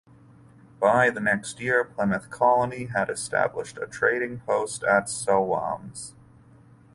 By the next year, Plymouth Colony had established a trading post at Sowams.